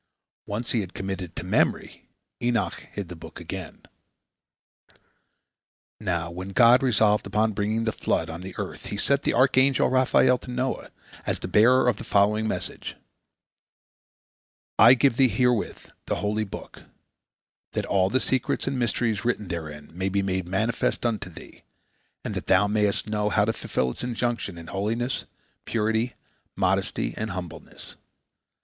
Once he had committed it to memory, Enoch hid the book again. Now, when God resolved upon bringing the flood on the earth, He sent the archangel Raphael to Noah, as the bearer of the following message: "I give thee herewith the holy book, that all the secrets and mysteries written therein may be made manifest unto thee, and that thou mayest know how to fulfil its injunction in holiness, purity, modesty, and humbleness.